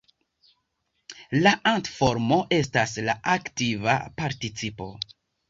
La nt-formo estas la aktiva participo.